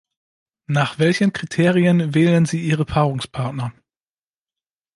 Nach welchen Kriterien wählen sie ihre Paarungspartner?